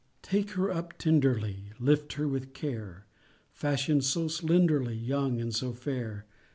Take her up tenderly; Lift her with care; Fashion'd so slenderly, Young, and so fair!